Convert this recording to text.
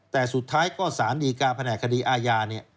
แต่สุดท้ายก็สารดีการแผนกคดีอาญาเนี่ย